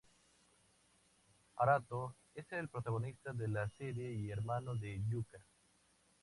Arato es el protagonista de la serie y hermano de Yuka.